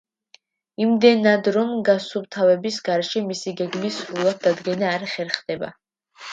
იმდენად, რომ გასუფთავების გარეშე, მისი გეგმის სრულად დადგენა არ ხერხდება.